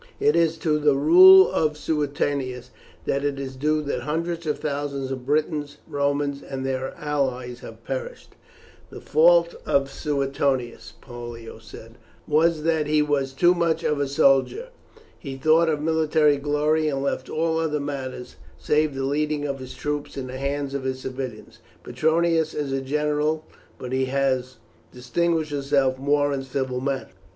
It is to the rule of Suetonius that it is due that hundreds of thousands of Britons, Romans, and their allies have perished." "The fault of Suetonius," Pollio said, "was that he was too much of a soldier. He thought of military glory, and left all other matters, save the leading of his troops, in the hands of his civilians. Petronius is a general, but he has distinguished himself more in civil matters.